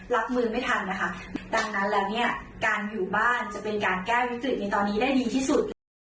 รับมือไม่ทันนะคะดังนั้นแล้วเนี่ยการอยู่บ้านจะเป็นการแก้วิกฤตในตอนนี้ได้ดีที่สุดนะคะ